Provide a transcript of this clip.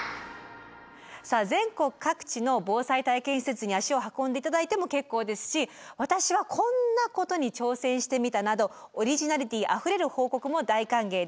さあ全国各地の防災体験施設に足を運んでいただいても結構ですし私はこんなことに挑戦してみたなどオリジナリティーあふれる報告も大歓迎です。